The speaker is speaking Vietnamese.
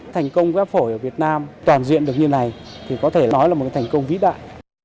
thành công ghép phổi ở việt nam toàn diện được như này thì có thể nói là một thành công vĩ đại